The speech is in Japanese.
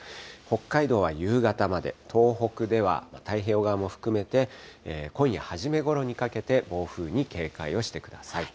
北海道は夕方まで、東北では太平洋側も含めて今夜初めごろにかけて暴風に警戒をしてください。